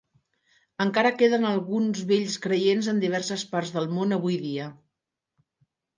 Encara queden alguns vells creients en diverses parts del món avui dia.